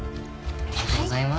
ありがとうございます。